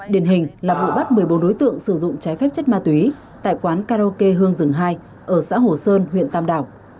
điển hình là vụ bắt một mươi bốn đối tượng sử dụng trái phép chất ma túy tại quán karaoke hương rừng hai ở xã hồ sơn huyện tam đảo